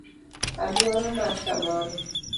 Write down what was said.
Aluora mar kamoro;